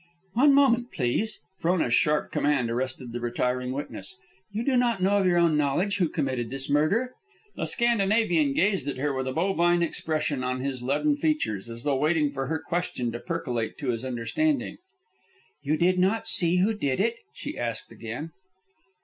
"One moment, please." Frona's sharp command arrested the retiring witness. "You do not know of your own knowledge who committed this murder?" The Scandinavian gazed at her with a bovine expression on his leaden features, as though waiting for her question to percolate to his understanding. "You did not see who did it?" she asked again.